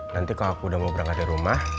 nanti kalau aku udah mau berangkat dari rumah